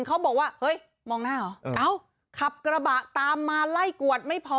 เขาบอกว่าเฮ้ยมองหน้าเหรอเอ้าขับกระบะตามมาไล่กวดไม่พอ